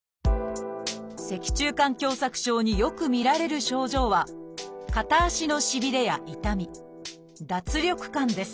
脊柱管狭窄症によく見られる症状は片足の「しびれ」や「痛み」「脱力感」です